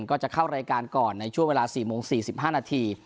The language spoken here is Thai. ก็จะเข้ารายการก่อนในช่วงเวลาสี่โมงสี่สิบห้านาที